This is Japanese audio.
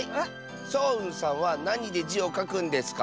そううんさんはなにで「じ」をかくんですか？